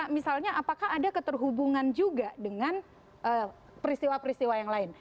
misalnya apakah ada keterhubungan juga dengan peristiwa peristiwa yang lain